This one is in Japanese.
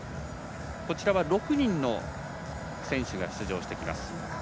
こちらは６人の選手が出場してきます。